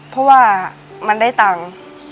เพราะว่ามันได้ตังค์